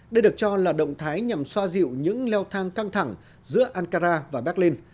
đây được cho là động thái nhằm xoa dịu những leo thang căng thẳng giữa ankara và berlin